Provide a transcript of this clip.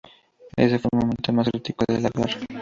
Ese fue el momento más crítico de la guerra.